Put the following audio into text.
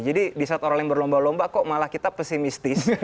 jadi di saat orang yang berlomba lomba kok malah kita pesimistis